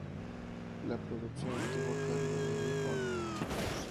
La producción estuvo a cargo de Björk.